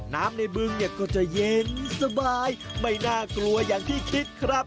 น้ำในบึงเนี่ยก็จะเย็นสบายไม่น่ากลัวอย่างที่คิดครับ